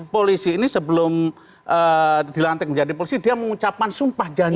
polisi ini sebelum dilantik menjadi polisi dia mengucapkan sumpah janji